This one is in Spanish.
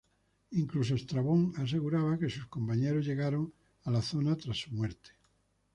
Incluso Estrabón aseguraba que sus compañeros llegaron a la zona tras su muerte.